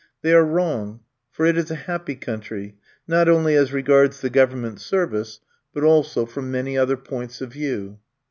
They are wrong, for it is a happy country, not only as regards the Government service, but also from many other points of view.